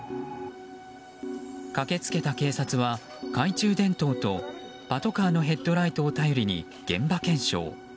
駆けつけた警察は懐中電灯とパトカーのヘッドライトを頼りに現場検証。